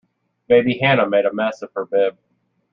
Baby Hannah made a mess of her bib.